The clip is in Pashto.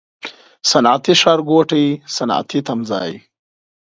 صنعتي ښارګوټی، صنعتي تمځای